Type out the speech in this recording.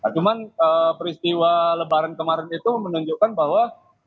cuma peristiwa lebaran kemarin itu menunjukkan bahwa